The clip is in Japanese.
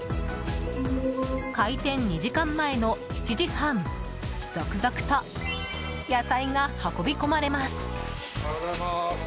開店２時間前の７時半続々と野菜が運び込まれます。